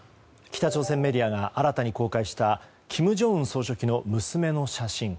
北朝鮮メディアが新たに公開した金正恩総書記の娘の写真。